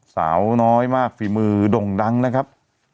สาวน้อยมากฝีมือด่งดังนะครับ